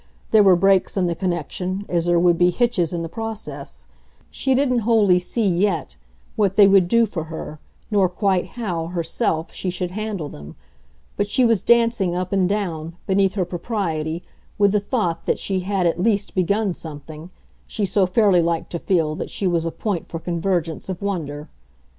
There were breaks in the connection, as there would be hitches in the process; she didn't wholly see, yet, what they would do for her, nor quite how, herself, she should handle them; but she was dancing up and down, beneath her propriety, with the thought that she had at least begun something she so fairly liked to feel that she was a point for convergence of wonder.